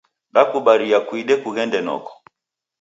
Dakubaria kuide kughende noko.